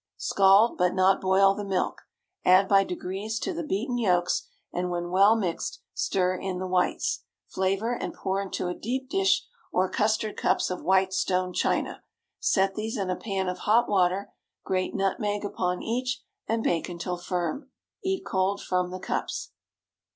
Scald but not boil the milk; add by degrees to the beaten yolks, and when well mixed, stir in the whites. Flavor, and pour into a deep dish, or custard cups of white stone china. Set these in a pan of hot water, grate nutmeg upon each, and bake until firm. Eat cold from the cups.